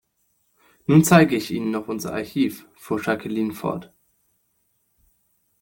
Nun zeige ich Ihnen noch unser Archiv, fuhr Jacqueline fort.